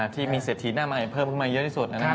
ที่มีเศรษฐีหน้าใหม่เพิ่มขึ้นมาเยอะที่สุด